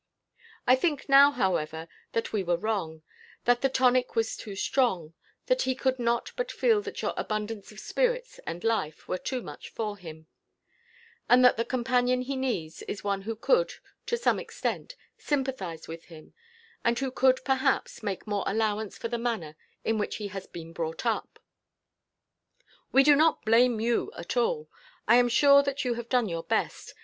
I think now, however, that we were wrong; that the tonic was too strong; that he could not but feel that your abundance of spirits, and life, were too much for him; and that the companion he needs is one who could, to some extent, sympathize with him, and who could, perhaps, make more allowance for the manner in which he has been brought up. "We do not blame you at all. I am sure that you have done your best.